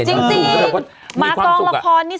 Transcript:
นักไม่ค่อยหนอน